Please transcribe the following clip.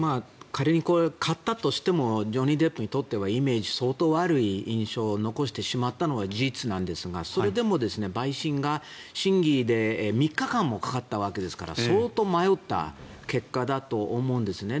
仮にこれ勝ったとしてもジョニー・デップにとってはイメージ、相当悪い印象を残してしまったのは事実なんですがそれでも陪審が、審議で３日間もかかったわけですから相当迷った結果だと思うんですね。